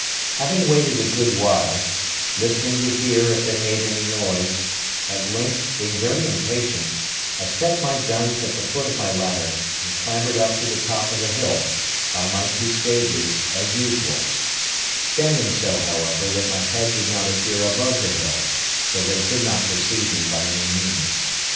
Having waited a good while, listening to hear if they made any noise, at length, being very impatient, I set my guns at the foot of my ladder, and clambered up to the top of the hill, by my two stages, as usual; standing so, however, that my head did not appear above the hill, so that they could not perceive me by any means.